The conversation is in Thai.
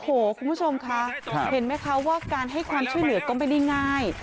โอ้โหคุณผู้ชมคะเห็นไหมคะว่าการให้ความช่วยเหลือก็ไม่ได้ง่าย